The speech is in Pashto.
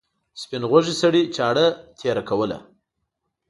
سپین غوږي سړي چاړه تېروله.